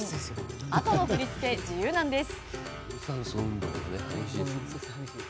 あとの振り付け、自由です。